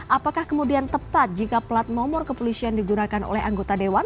apakah kemudian tepat jika plat nomor kepolisian digunakan oleh anggota dewan